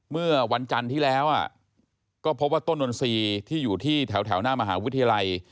เมื่อวันจันทร์ที่แล้วก็พบว่าต้นนทรีย์ที่อยู่ที่แถวหน้ามหาวิทยาลัย